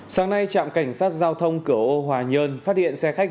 sáng nay trạm cảnh sát giao thông cửa hội đã đưa về các tỉnh thành phố đà nẵng